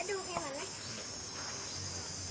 นี่เห็นจริงตอนนี้ต้องซื้อ๖วัน